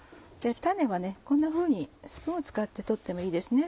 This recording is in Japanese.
種はこんなふうにスプーンを使って取ってもいいですね。